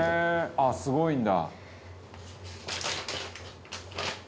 「ああすごいんだ」